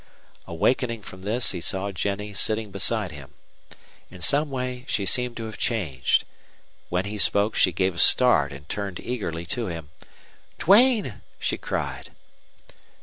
Awakening from this, he saw Jennie sitting beside him. In some way she seemed to have changed. When he spoke she gave a start and turned eagerly to him. "Duane!" she cried.